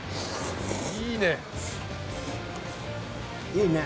いいね。